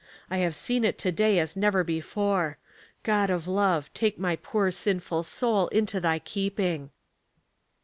I have seen it to day as never before. God of love, take my poor sinful soul into thy keeping."